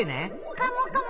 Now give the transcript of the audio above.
カモカモ！